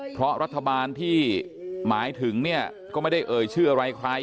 เพราะรัฐบาลที่หมายถึงเนี่ยก็ไม่ได้เอ่ยชื่ออะไรใคร